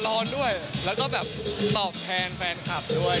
ร้อนด้วยแล้วก็แบบตอบแทนแฟนคลับด้วย